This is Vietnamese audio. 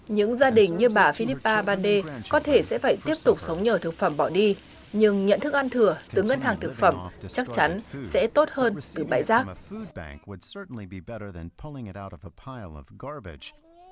những gia đình như bà philippa bande có thể sẽ phải tiếp tục sống nhờ thực phẩm bỏ đi nhưng nhận thức ăn thừa từ ngân hàng thực phẩm chắc chắn sẽ tốt hơn từ bãi rác